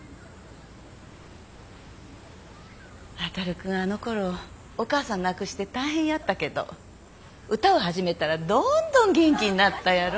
航君あのころお母さん亡くして大変やったけど歌を始めたらどんどん元気になったやろ？